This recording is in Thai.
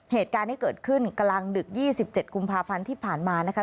เหตุการณ์ที่เกิดขึ้นกลางดึก๒๗กุมภาพันธ์ที่ผ่านมานะคะ